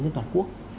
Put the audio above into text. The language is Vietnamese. trên toàn quốc